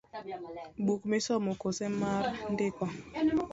Buk misomo koso mar ndiko?